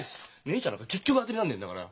姉ちゃんなんか結局当てになんねえんだから。